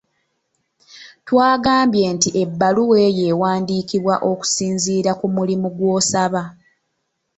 Twagambye nti ebbaluwa eyo ewandiikibwa okusinziira ku mulimu gw'osaba.